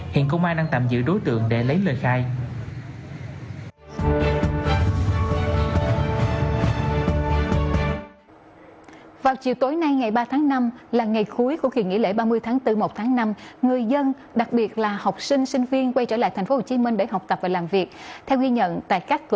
hiện công an đang tạm giữ đối tượng để lấy lời khai